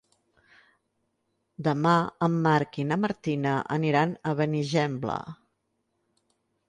Demà en Marc i na Martina aniran a Benigembla.